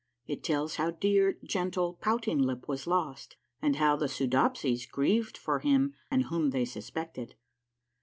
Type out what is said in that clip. — IT TELLS HOW DEAR, GENTLE, POUTING LIP WAS LOST, AND HOW THE SOO DOPSIES GRIEVED FOR HIM AND WHOM THEY SUSPECTED.